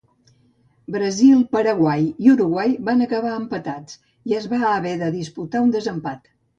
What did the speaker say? Brasil, Paraguai i Uruguai van acabar empatats i es va haver de disputar un desempat.